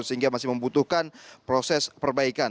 sehingga masih membutuhkan proses perbaikan